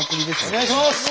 お願いします！